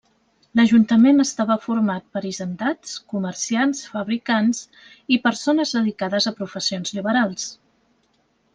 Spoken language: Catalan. L'ajuntament estava format per hisendats, comerciants, fabricants i persones dedicades a professions liberals.